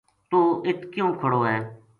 توہ اِت کیوں کھڑو ہے